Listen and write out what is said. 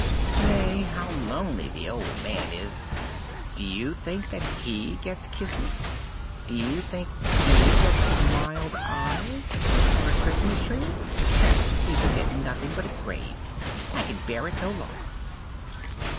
Nay, how lonely the old man is do you think that he gets kisses? Do you think he gets mild eyes, or a Christmas tree? He will get nothing but a grave! I can bear it no longer!"